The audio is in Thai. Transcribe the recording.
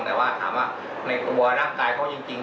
แต่ว่าถามว่าในตัวร่างกายเขาจริง